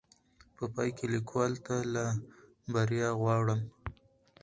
په پاى کې ليکوال ته لا بريا غواړم